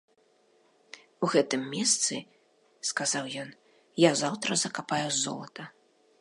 У гэтым месцы, сказаў ён, я заўтра закапаю золата.